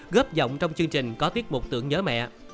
góp giọng trong chương trình có tiết mục tưởng nhớ mẹ